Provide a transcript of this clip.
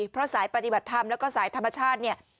เพราะสายปฏิบัติธรรมแล้วก็สายธรรมชาติเนี่ย